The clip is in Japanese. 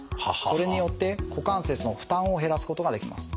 それによって股関節の負担を減らすことができます。